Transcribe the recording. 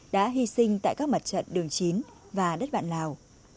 đã hy sinh tại các mặt trận đường chín và đất bạn lào